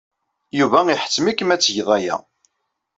Yuba iḥettem-ikem ad tgeḍ aya.